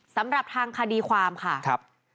สำหรับทางคดีความค่ะครับ